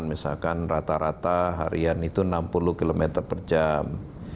misalkan rata rata harian itu enam puluh km per jam